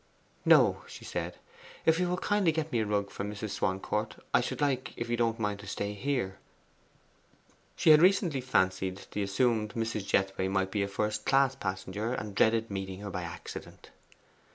'No,' she said. 'If you will kindly get me a rug from Mrs. Swancourt, I should like, if you don't mind, to stay here.' She had recently fancied the assumed Mrs. Jethway might be a first class passenger, and dreaded meeting her by accident.